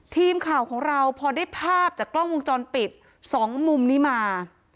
ทีมข่าวของเราพอได้ภาพจากกล้องวงจรปิด๒มุมนี้มา